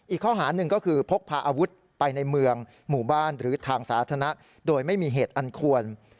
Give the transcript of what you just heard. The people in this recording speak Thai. อีกข้อหาหนึ่งก็คือพกพาอาวุธไปในเมืองหมู่บ้านหรือทางสาธารณะโดยไม่มีเหตุอันควร